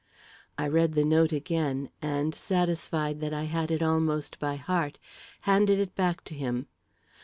I read the note again, and, satisfied that I had it almost by heart, handed it back to him.